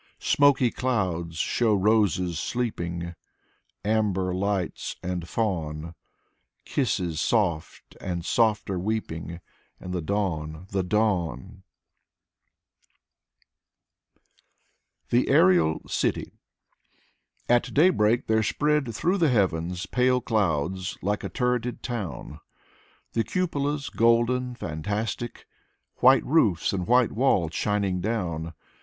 Smoky clouds show roses sleeping, Amber lights and fawn. Kisses soft, and softer weeping. And the dawn, the dawn I Afanasy Shenshin Foeth 45 THE AERIAL CITY At daybreak there spread through the heavens Pale clouds like a turreted town: The Cupolas golden, fantastic, White roofs and white walls shining down.